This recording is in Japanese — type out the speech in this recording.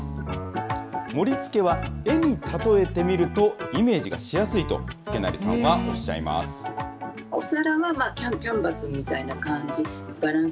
盛りつけは絵に例えてみると、イメージがしやすいと、祐成さんはおっしゃいます。